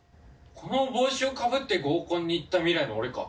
この帽子をかぶって合コンに行った未来の俺か？